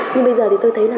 nhưng bây giờ thì tôi thấy là